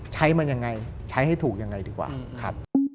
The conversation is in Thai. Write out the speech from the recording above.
ใช้มันยังไงใช้ให้ถูกยังไงดีกว่าครับ